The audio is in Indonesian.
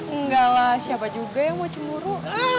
enggak lah siapa juga yang mau cemburu